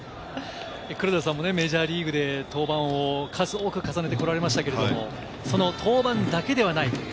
黒田さんもメジャーリーグで登板を数多く重ねてこられましたけれど、登板だけではない。